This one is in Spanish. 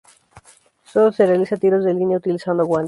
Sólo realiza tiros de línea utilizando guantes.